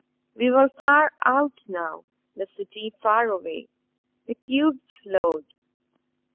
We were far out now, the City far away. The cube slowed.